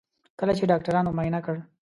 کله چې ډاکټرانو معاینه کړ.